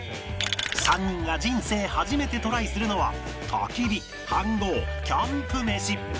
３人が人生初めてトライするのは焚き火飯ごうキャンプ飯